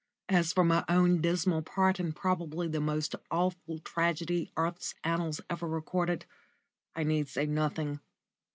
As for my own dismal part in probably the most awful tragedy earth's annals ever recorded, I need say nothing.